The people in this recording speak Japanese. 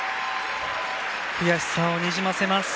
悔しさをにじませます。